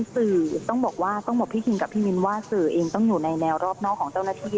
สื่อต้องบอกว่าต้องบอกพี่คิงกับพี่มิ้นว่าสื่อเองต้องอยู่ในแนวรอบนอกของเจ้าหน้าที่